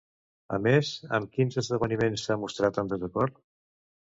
A més, amb quins esdeveniments s'ha mostrat en desacord?